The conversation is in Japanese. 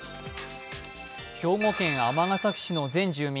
兵庫県尼崎市の全住民